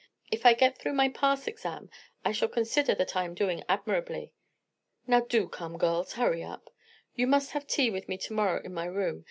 If I get through my pass exam., I shall consider that I am doing admirably. Now do come, girls; hurry up. You must have tea with me to morrow in my room.